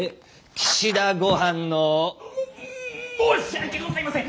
「岸田ゴハン」の。も申し訳ございませんッ！